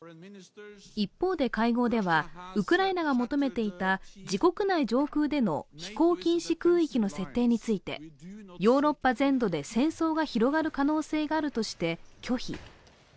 一方で、会合ではウクライナが求めていた自国内上空での飛行禁止空域の設定についてヨーロッパ全土で戦争が広がる可能性があるとして拒否。